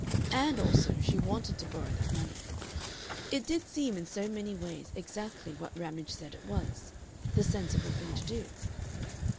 And, also, she wanted to borrow that money. It did seem in so many ways exactly what Ramage said it was the sensible thing to do.